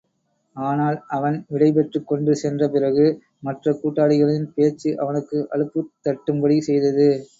ஆனால், அவன் விடைபெற்றுக் கொண்டு சென்ற பிறகு, மற்ற கூட்டாளிகளின் பேச்சு அவனுக்கு அலுப்புத் தட்டும்படி செய்தது.